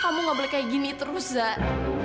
kamu gak boleh kayak gini terus zak